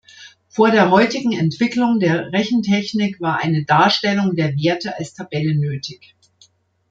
Vor der heutigen Entwicklung der Rechentechnik war eine Darstellung der Werte als Tabelle nötig.